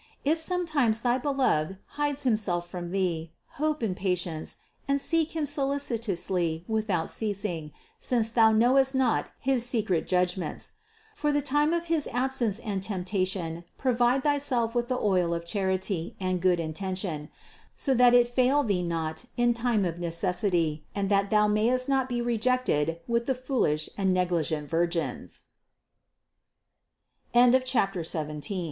If sometimes thy Beloved hides Him self from thee, hope in patience and seek Him solicitously without ceasing, since thou knowest not his secret judg ments. For the time of his absence and temptation pro vide thyself with the oil of charity and good intention, so that it fail thee not in time of necessity and that thou mayest not be rejected